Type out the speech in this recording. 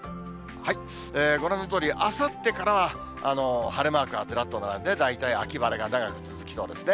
ご覧のとおり、あさってからは晴れマークがずらっと並んで、大体、秋晴れが長く続きそうですね。